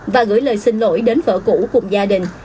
và gửi lời xin lỗi đến vợ cũ cùng gia đình